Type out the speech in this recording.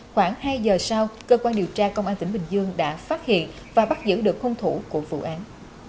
khoảng hai giờ sau cơ quan điều tra công an tỉnh bình dương đã phát hiện và bắt giữ được hung thủ của vụ án